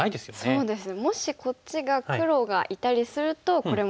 そうですね。